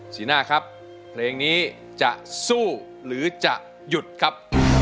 สีหน้าครับเพลงนี้จะสู้หรือจะหยุดครับ